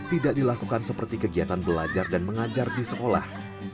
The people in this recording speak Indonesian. tidak dilakukan seperti kegiatan belajar dan mengajar di sekolah